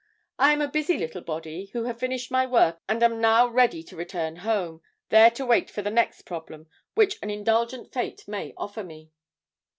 I am a busy little body who having finished my work am now ready to return home, there to wait for the next problem which an indulgent fate may offer me."